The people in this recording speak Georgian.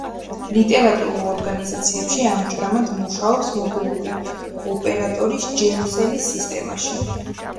წლების მანძილზე მუშაობდა ლიტერატურულ ორგანიზაციებში, ამჟამად მუშაობს მობილური ოპერატორის „ჯეოსელის“ სისტემაში.